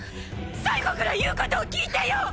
最期ぐらい言うことを聞いてよ！